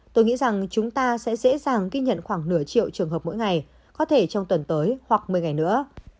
tôi nghĩ rằng chúng ta sẽ dễ dàng ghi nhận khoảng nửa triệu trường hợp mỗi ngày có thể trong tuần tới hoặc một mươi ngày nữa